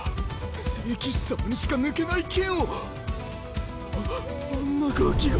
聖騎士様にしか抜けない剣をああんなガキが。